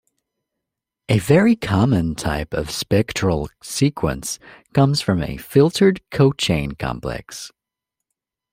A very common type of spectral sequence comes from a filtered cochain complex.